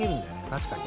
確かに。